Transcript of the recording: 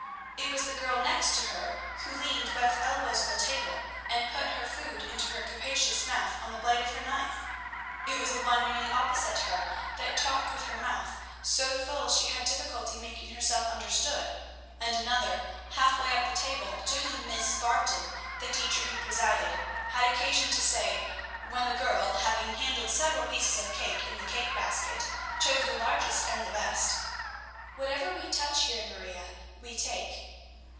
It was the girl next to her who leaned both elbows on the table, and put her food into a capacious mouth on the blade of her knife. It was the one nearly opposite her that talked with her mouth so full she had difficulty in making herself understood; and another, half way up the table, to whom Miss Barton, the teacher who presided, had occasion to say, when the girl, having handled several pieces of cake in the cake basket, chose the largest and the best, "Whatever we touch here, Maria, we take."